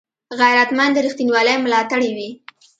غیرتمند د رښتینولۍ ملاتړی وي